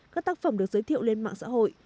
các tác phẩm được giới thiệu lên mạng xã hội